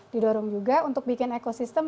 didorong juga untuk bikin ekosistem